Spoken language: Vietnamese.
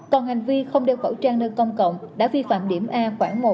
còn hành vi không đeo khẩu trang nơi công cộng đã vi phạm điểm a khoảng một